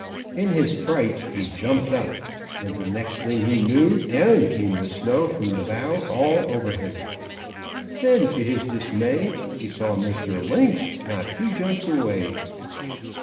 In his fright he jumped up, and the next thing he knew down came the snow from the bough all over him. Then, to his dismay, he saw Mr. Lynx not two jumps away.